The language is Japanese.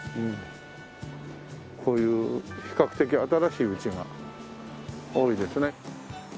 こういう比較的新しい家が多いですね。